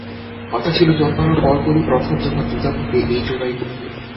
কথা ছিল জন্মানোর পর পরই প্রথম যখন জুতা পরবে এই জোড়াই পরবে।